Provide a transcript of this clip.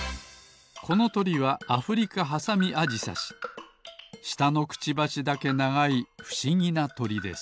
このとりはアフリカハサミアジサシしたのクチバシだけながいふしぎなとりです。